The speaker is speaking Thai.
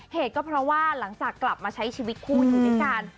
เหตุก็เพราะว่าหลังจากกลับมาใช้ชีวิตคู่อยู่ด้วยกัน